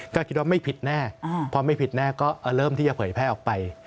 ก็คิดว่าไม่ผิดแน่พอไม่ผิดแน่ก็เริ่มที่จะเผยแพร่ออกไป